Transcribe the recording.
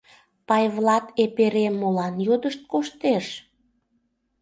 Пайвлат эпере молан йодышт коштеш?